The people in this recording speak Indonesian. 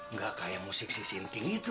nggak kayak musik sinting itu